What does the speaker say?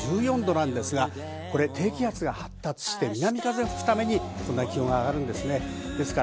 低気圧が発達して南風が吹くためにこんなに気温が上がるんです。